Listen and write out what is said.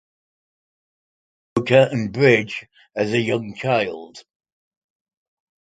He began playing poker and bridge as a young child.